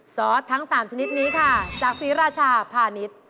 ซอสทั้ง๓ชนิดนี้ค่ะจากศรีราชาพาณิชย์